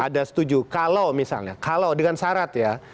ada setuju kalau misalnya kalau dengan syarat ya